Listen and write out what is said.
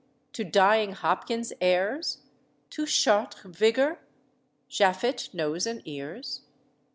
to dying Hopkins heirs? To Chartres vigour? Japhet nose and ears?"